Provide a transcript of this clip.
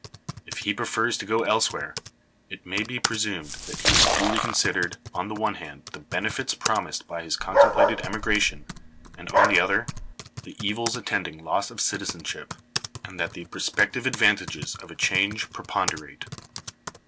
If he prefers to go elsewhere, k may be presumed that he has duly considered, on the one band, the benefits promised by his contemplated emigration, and on the other, the evils attending loss of citizenship, and that the prospective advantages of a change preponderate.